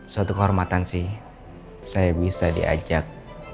suatu kehormatan sih saya bisa diajak